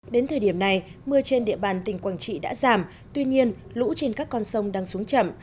đến thời điểm này mưa trên địa bàn tỉnh quảng trị đã giảm tuy nhiên lũ trên các con sông đang xuống chậm